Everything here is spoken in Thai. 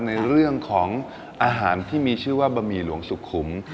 ในเรื่องของอาหารที่มีชื่อว่าบะหมี่หลวงสุขุม